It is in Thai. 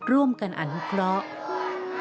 ร่วมกันอนุเคราะห์